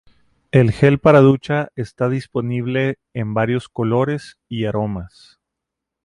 El gel para ducha está disponible en varios colores y aromas.